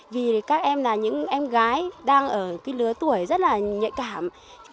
vì các em là những em gái đang ở cái lứa tuổi rất là nhạy cảm